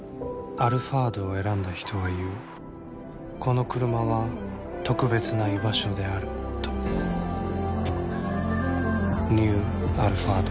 「アルファード」を選んだ人は言うこのクルマは特別な居場所であるとニュー「アルファード」